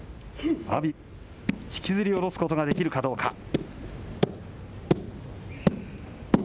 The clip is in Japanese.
阿炎、引きずりおろすことができるかどうか。